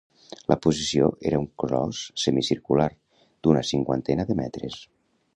La posició era un clos semicircular, d'una cinquantena de metres